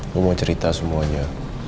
gue mau cerita semuanya